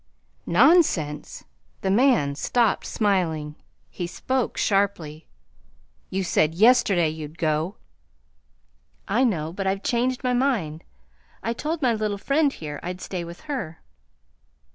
"Nonsense!" The man stopped smiling. He spoke sharply. "You said yesterday you'd go." "I know; but I've changed my mind. I told my little friend here I'd stay with her."